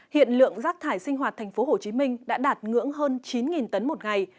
hiện lượng rác thải sinh hoạt tp hcm đã đạt ngưỡng hơn chín tấn một ngày